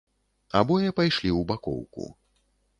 Абое пайшлі ў бакоўку.